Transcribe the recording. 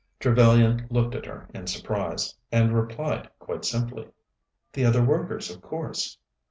Trevellyan looked at her in surprise, and replied quite simply: "The other workers, of course."